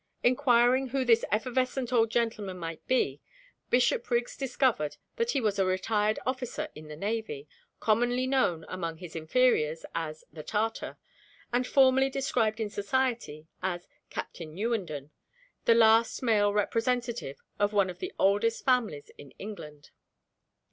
Inquiring who this effervescent old gentleman might be, Bishopriggs discovered that he was a retired officer in the navy; commonly known (among his inferiors) as "The Tartar;" more formally described in society as Captain Newenden, the last male representative of one of the oldest families in England.